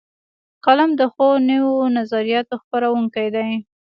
قلم د ښو نویو نظریاتو خپروونکی دی